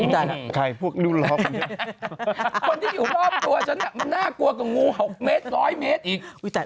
คนที่อยู่รอบตัวฉันน่ะมันหน้ากลัวกับงู๖เมตร๑๐๐เมตรอีก